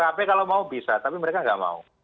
tapi kalau mau bisa tapi mereka nggak mau